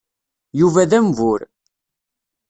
Yuba d ambur.